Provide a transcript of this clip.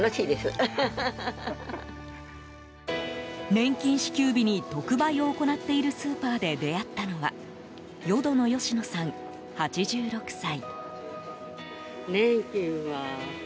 年金支給日に特売を行っているスーパーで出会ったのは淀野よしのさん、８６歳。